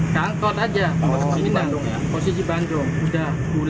iya langsung membunuh orang juga tuh